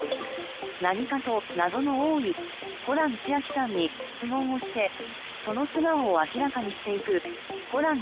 何かと謎の多いホラン千秋さんに質問をしてその素顔を明らかにしていくホラン